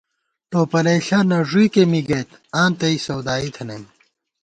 ٹوپَلَئیݪہ نہ ݫُوئیکے می گئیت آں تئ سودائی تھنَئیم